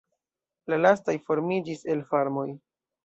La lastaj formiĝis el farmoj.